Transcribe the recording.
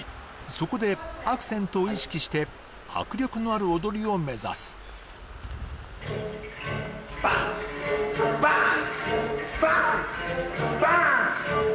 そこでアクセントを意識して迫力のある踊りを目指すバーンチ！